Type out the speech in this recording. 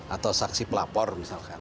atau saksi pelapor misalkan